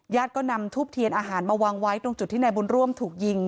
ก็นำทูบเทียนอาหารมาวางไว้ตรงจุดที่นายบุญร่วมถูกยิง